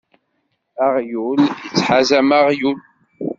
Aɣyul ittḥazam aɣyul.